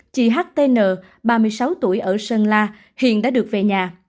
chị htn ba mươi sáu tuổi ở sơn la hiện đã được về nhà